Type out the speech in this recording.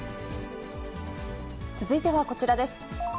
続いてはこちらです。